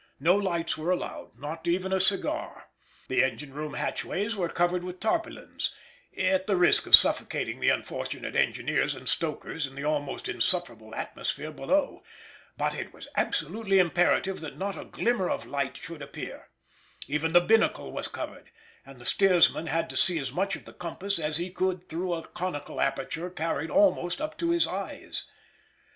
No lights were allowed—not even a cigar; the engine room hatchways were covered with tarpaulins, at the risk of suffocating the unfortunate engineers and stokers in the almost insufferable atmosphere below. But it was absolutely imperative that not a glimmer of light should appear. Even the binnacle was covered, and the steersman had to see as much of the compass as he could through a conical aperture carried almost up to his eyes.